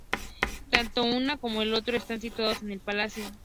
Tanto uno como el otro están situados en el Palacio.